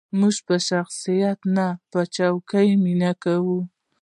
موږ په شخصیت نه، په څوکې مینه کوو.